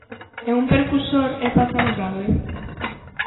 É un precursor E Paz Andrade?